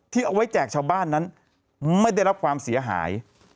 เอาไว้แจกชาวบ้านนั้นไม่ได้รับความเสียหาย